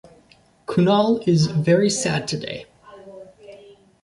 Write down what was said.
Kunal is very sad today.